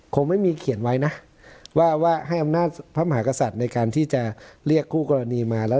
คงไม่มีเขียนไว้นะว่าให้อำนาจพระมหากษัตริย์ในการที่จะเรียกคู่กรณีมาแล้ว